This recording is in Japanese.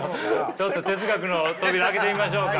ちょっと哲学の扉開けてみましょうか。